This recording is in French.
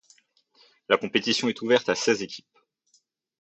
La compétition est ouverte à seize équipes.